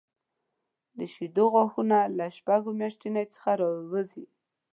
د شېدو غاښونه له شپږ میاشتنۍ څخه راوځي.